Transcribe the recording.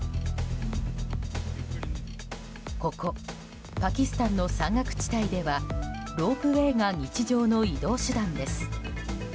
ここ、パキスタンの山岳地帯ではロープウェーが日常の移動手段です。